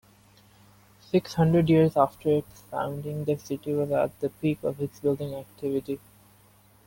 Six hundred years after its founding, the city was at the peak of its building activity.